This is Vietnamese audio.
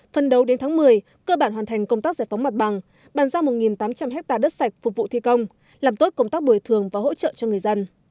phần đầu đến tháng một mươi cơ bản hoàn thành công tác giải phóng mặt bằng bàn giao một tám trăm linh ha đất sạch phục vụ thi công làm tốt công tác bồi thường và hỗ trợ cho người dân